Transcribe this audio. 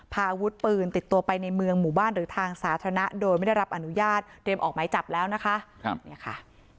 พาอาวุธปืนติดตัวไปในเมืองหมู่บ้านหรือทางสาธารณะโดยไม่ได้รับอนุญาตเตรียมออกหมายจับแล้วนะคะเนี่ยค่ะ